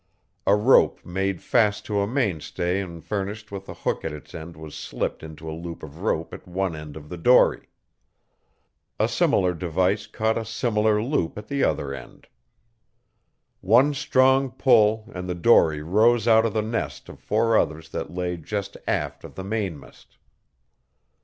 A rope made fast to a mainstay and furnished with a hook at its end was slipped into a loop of rope at one end of the dory. A similar device caught a similar loop at the other end. One strong pull and the dory rose out of the nest of four others that lay just aft of the mainmast.